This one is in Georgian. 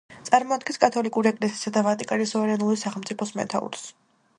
წარმოადგენს კათოლიკური ეკლესიისა და ვატიკანის სუვერენული სახელმწიფოს მეთაურს.